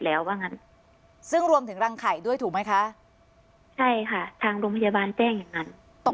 ลองถึงรังไข่ด้วยถูกไหมคะใช่ค่ะทางโรงพยาบาลแจ้งอย่างนั้น